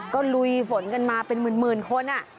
ก็ลุยฝนกันมาเป็นหมื่นคน